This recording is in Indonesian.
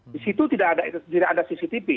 di situ tidak ada cctv